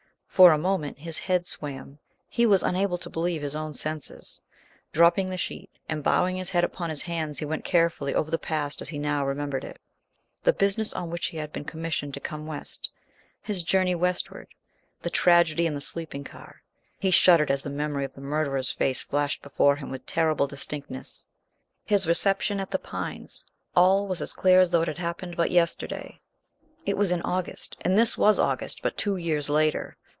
For a moment his head swam, he was unable to believe his own senses. Dropping the sheet and bowing his head upon his hands he went carefully over the past as he now remembered it, the business on which he had been commissioned to come west; his journey westward; the tragedy in the sleeping car he shuddered as the memory of the murderer's face flashed before him with terrible distinctness; his reception at The Pines, all was as clear as though it had happened but yesterday; it was in August, and this was August, but two years later!